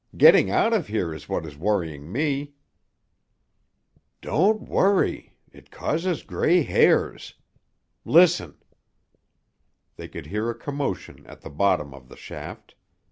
"Getting out of here is what is worrying me." "Don't worry—it causes gray hairs. Listen!" They could hear a commotion at the bottom of the shaft.